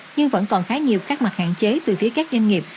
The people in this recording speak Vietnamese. nhưng vẫn còn khá nhiều các mặt hạn chế từ phía các doanh nghiệp